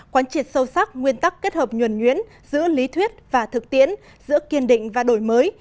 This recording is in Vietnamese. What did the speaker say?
quán triệt sâu sắc nguyên tắc kết hợp nhuẩn nhuyễn giữa lý thuyết và thực tiễn giữa kiên định và đổi mới